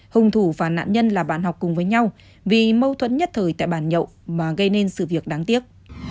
hùng thủ và nạn nhân là bạn học cùng với nhau vì mâu thuẫn nhất thời tại bàn nhậu mà gây nên sự việc đáng tiếc